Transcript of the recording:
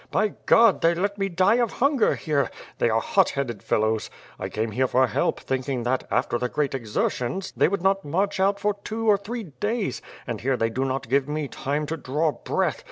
By God! they let me die of hunger here. They are hot headed fellows. I came here for help, thinking that, after the great exertions, they would not march out for two or three days, and here they do not give me time to draw breath.